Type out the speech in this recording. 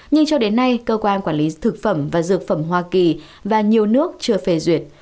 nhưng cho đến nay cơ quan quản lý thực phẩm và dược phẩm hoa kỳ và nhiều nước chưa phê duyệt